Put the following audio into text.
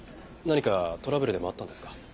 何かトラブルでもあったんですか？